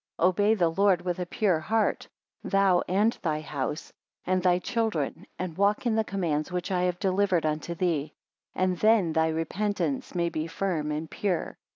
16 Obey the Lord with a pure heart; thou, and thy house, and thy children; and walk in the commands which I have delivered unto thee; and then thy repentance may be firm and pure.